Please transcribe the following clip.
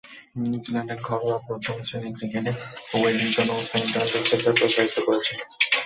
নিউজিল্যান্ডের ঘরোয়া প্রথম-শ্রেণীর ক্রিকেটে ওয়েলিংটন ও সেন্ট্রাল ডিস্ট্রিক্টসের প্রতিনিধিত্ব করেছেন।